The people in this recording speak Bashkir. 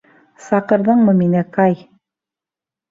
Саҡырҙыңмы мине, Кай?